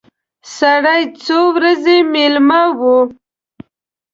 سړی څو ورځې مېلمه وي.